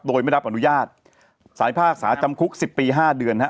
โดยไม่รับอนุญาตสาริภาคสาวจำคุกสิบปีห้าเดือนนะฮะ